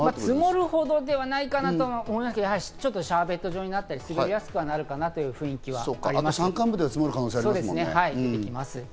積もるほどではないかと思いますが、シャーベット状になって滑りやすくなるかなという雰囲気があります。